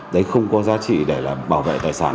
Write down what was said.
đấy không có giá trị để là bảo vệ tài sản